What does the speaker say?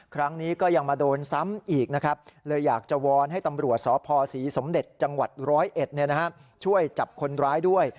ครั้งนี้ก็ยังมาโดนซ้ำอีกนะครับเลยอยากจะวอนให้ตำรวจสพศรีสมเด็จจังหวัด๑๐๑ช่วยจับคนร้ายด้วย